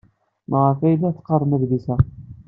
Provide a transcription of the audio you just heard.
Maɣef ay la teqqarem adlis-a?